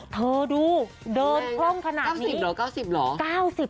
เธอดูเดินพ่งขนาดนี้